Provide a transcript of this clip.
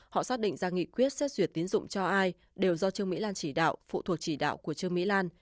họ xác định ra nghị quyết xét duyệt tiến dụng cho ai đều do trương mỹ lan chỉ đạo phụ thuộc chỉ đạo của trương mỹ lan